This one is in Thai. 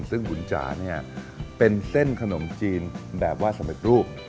ซึ่งขุนจ๋าเนี่ยเป็นเส้นขนมจีนแบบว่าสำเร็จรูป